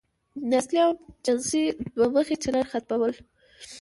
نسلي او جنسي دوه مخی چلن ختمول.